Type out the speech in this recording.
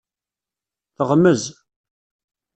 Teɣmez.